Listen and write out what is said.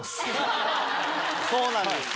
そうなんですよ